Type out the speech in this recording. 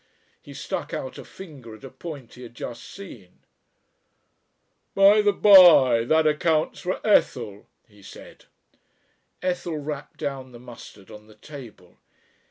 He stuck out a finger at a point he had just seen. "By the bye! That accounts for Ethel," he said. Ethel rapped down the mustard on the table.